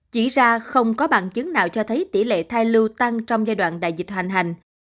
chỉ ra không có bằng chứng nào cho thấy tỷ lệ thai lưu tăng trong giai đoạn đại dịch hoành hành